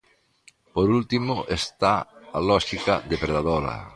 Por último, está a lóxica depredadora.